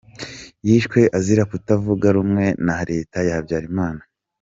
Yishwe azira kutavuga rumwe na Leta ya Habyarimana.